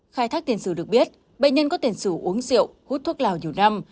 khai thác tiền sử được biết bệnh nhân có tiền sử uống rượu hút thuốc lào nhiều năm